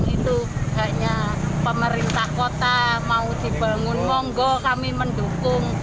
itu hanya pemerintah kota mau dibangun monggo kami mendukung